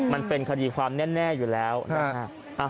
มันเป็นคดีความแน่อยู่แล้วนะฮะ